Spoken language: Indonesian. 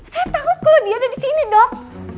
saya takut kalo dia ada disini dok